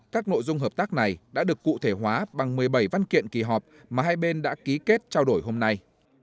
các nội dung hợp tác này đã được cụ thể hóa bằng một mươi bảy văn kiện kỳ họp mà hai bên đã ký kết trao đổi hôm nay